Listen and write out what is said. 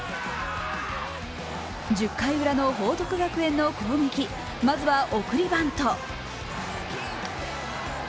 １０回ウラの報徳学園の攻撃、まずは送りバント。